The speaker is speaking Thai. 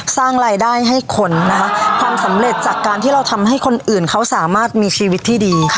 สร้างรายได้ให้คนนะคะความสำเร็จจากการที่เราทำให้คนอื่นเขาสามารถมีชีวิตที่ดี